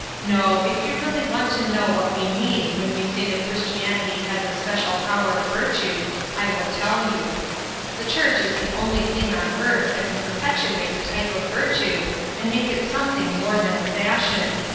No, if you really want to know what we mean when we say that Christianity has a special power of virtue, I will tell you. The Church is the only thing on earth that can perpetuate a type of virtue and make it something more than a fashion.